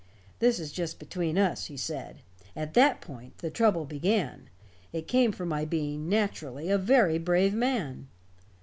"This is just between us," he said. "At that point the trouble began. It came from my being naturally a very brave man.